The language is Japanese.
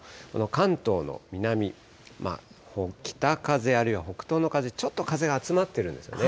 関東の南、北風、あるいは北東の風、ちょっと風が集まってるんですよね。